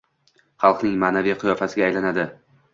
Xalqning maʼnaviy qiyofasiga aylanadi